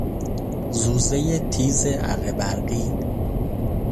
زوزهی تیز اره برقی